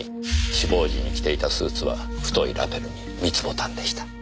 死亡時に着ていたスーツは太いラベルに３つボタンでした。